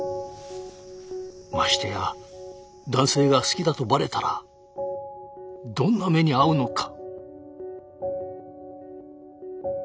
ましてや男性が好きだとバレたらどんな目に遭うのか。